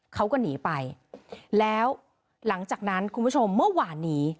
เขาก็หนีไปแล้วหลังจากนั้นคุณผู้ชมเมื่อวานนี้